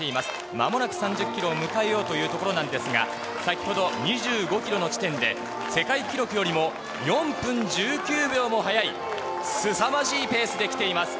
まもなく３０キロを迎えようというところなんですが、先ほど、２５キロの地点で、世界記録よりも４分１９秒も早いすさまじいペースで来ています。